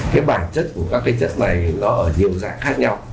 cái bản chất của các cái chất này nó ở nhiều dạng khác nhau